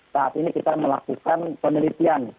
saat ini kita melakukan penelitian